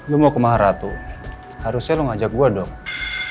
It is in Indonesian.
lo mau ke maharatu harusnya lo ngajak gue dong